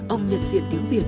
ông nhận diện tiếng việt